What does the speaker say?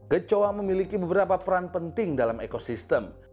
kecoa memiliki beberapa peran penting dalam ekosistem